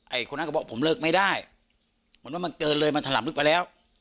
คนนั้นก็บอกผมเลิกไม่ได้เหมือนว่ามันเกินเลยมันถล่ำลึกไปแล้ว